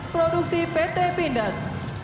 produksi pt pindad